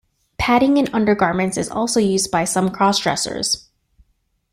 Padding in undergarments is also used by some crossdressers.